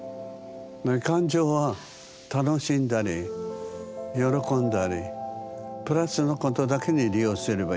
感情は楽しんだり喜んだりプラスのことだけに利用すればいいの。